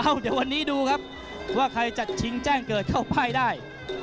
เดี๋ยววันนี้ดูครับว่าใครจะชิงแจ้งเกิดเข้าป้ายได้